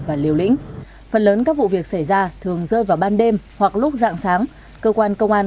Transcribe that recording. và liều lĩnh phần lớn các vụ việc xảy ra thường rơi vào ban đêm hoặc lúc dạng sáng cơ quan công an